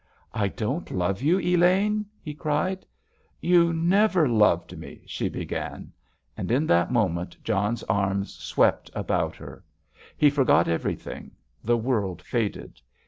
"I don't love you, Elaine?" he cried. "You never loved me——" she began. And in that moment John's arms swept about her. He forgot everything—the world faded.